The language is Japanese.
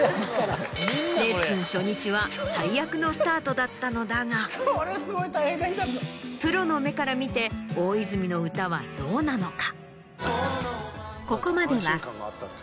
レッスン初日は最悪のスタートだったのだがプロの目から見て大泉の歌はどうなのか？